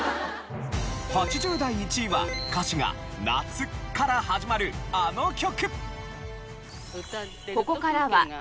８０代１位は歌詞が「夏」から始まるあの曲。